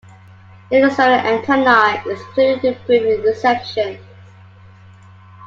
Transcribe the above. An external antenna is included to improve reception.